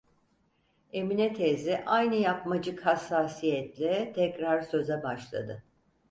Emine teyze aynı yapmacık hassasiyetle tekrar söze başladı: